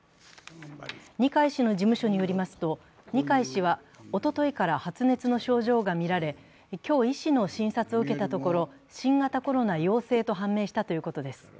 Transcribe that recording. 二階氏の事務所によりますと、二階氏はおとといから発熱の症状が見られ、今日、医師の診察を受けたところ新型コロナ陽性と判明したということです。